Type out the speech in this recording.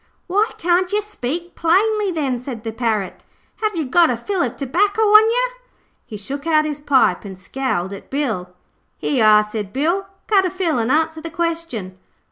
'Why can't yer speak plainly, then,' said the Parrot. 'Have you got a fill of tobacco on yer?' He took out his pipe and scowled at Bill. 'Here you are,' said Bill. 'Cut a fill an' answer the question.'